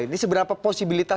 ini seberapa posibilitas